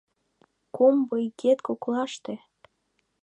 Комбо игет коклаште